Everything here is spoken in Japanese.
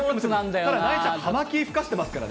ただなえちゃん、葉巻ふかしてますからね。